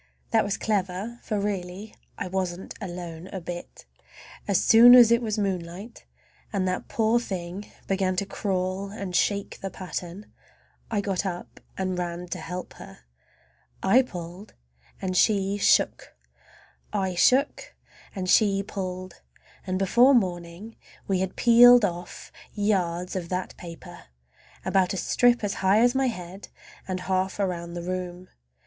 That was clever, for really I wasn't alone a bit! As soon as it was moonlight, and that poor thing began to crawl and shake the pattern, I got up and ran to help her. I pulled and she shook, I shook and she pulled, and before morning we had peeled off yards of that paper. A strip about as high as my head and half around the room.